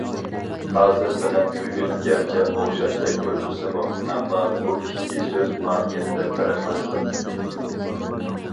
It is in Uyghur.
‹‹ ھازىر›› بىلەن‹‹ بۈگۈن›› گەرچە ئوخشاشتەك كۆرۈنسىمۇ، ئەمما بۇ ئىككى سۆز ماھىيەتتە پەرقلىنىدۇ.